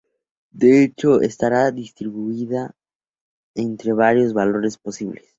De hecho, estará distribuida entre varios valores posibles.